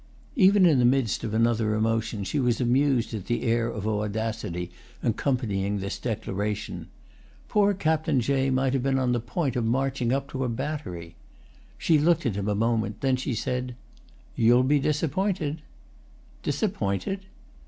Even in the midst of another emotion she was amused at the air of audacity accompanying this declaration. Poor Captain Jay might have been on the point of marching up to a battery. She looked at him a moment; then she said: "You'll be disappointed!" "Disappointed?"